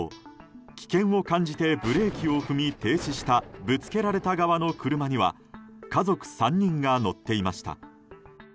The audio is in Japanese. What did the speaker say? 危険を感じてブレーキを踏み停止したぶつけられた側の車には家族３人が乗っていました。